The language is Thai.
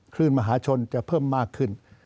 คลื่นมหาชนจะเพิ่มมากขึ้น